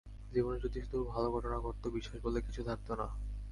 জীবনে যদি শুধু ভালো ঘটনা ঘটত, বিশ্বাস বলে কিছু থাকত না।